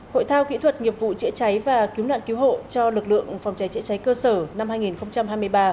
hội thao kỹ thuật nghiệp vụ chữa trái và cứu nạn cứu hộ cho lực lượng phòng trái chữa trái cơ sở năm hai nghìn hai mươi ba